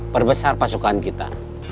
perbesar pasukan kita